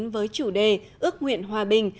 với chủ đề ước nguyện hòa bình